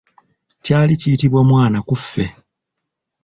Kyali kiyitibwa mwanaakufe.